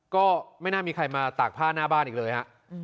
ก็ไม่น่ามีใครมาตากผ้าหน้าบ้านอีกเลยฮะ